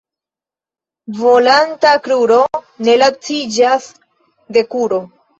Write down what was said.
Volanta kruro ne laciĝas de kuro.